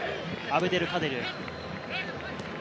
アブデルカデル。